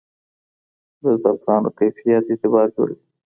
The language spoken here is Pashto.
د زعفرانو کیفیت اعتبار جوړوي.